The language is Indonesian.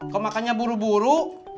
kok makannya buru buru